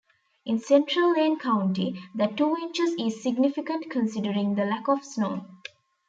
In central Lane County, that two inches is significant considering the lack of snow.